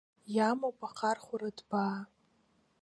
Иамоуп ахархәара ҭбаа…